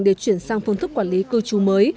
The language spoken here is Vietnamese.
để chuyển sang phương thức quản lý cư trú mới